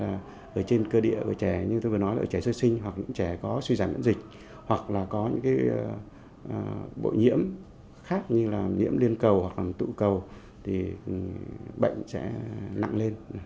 đặc biệt là ở trên cơ địa của trẻ như tôi vừa nói là trẻ sơ sinh hoặc những trẻ có suy giảm miễn dịch hoặc là có những bộ nhiễm khác như là nhiễm liên cầu hoặc là tụ cầu thì bệnh sẽ nặng lên